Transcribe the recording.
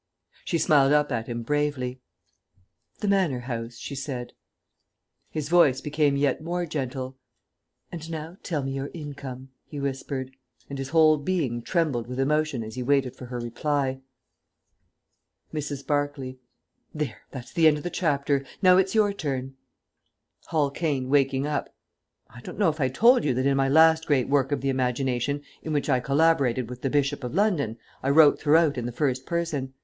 She smiled up at him bravely. "The Manor House," she said. His voice became yet more gentle. "And now tell me your income," he whispered; and his whole being trembled with emotion as he waited for her reply. [Mrs. Barclay. There! That's the end of the chapter. Now it's your turn. Hall Caine (waking up). _I don't know if I told you that in my last great work of the imagination, in which I collaborated with the Bishop of London, I wrote throughout in the first person.